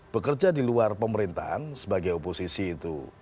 bekerja di luar pemerintahan sebagai oposisi itu